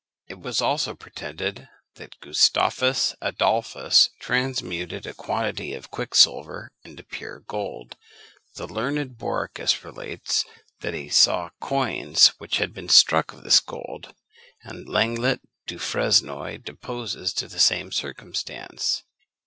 It was also pretended that Gustavus Adolphus transmuted a quantity of quicksilver into pure gold. The learned Borrichius relates, that he saw coins which had been struck of this gold; and Lenglet du Fresnoy deposes to the same circumstance.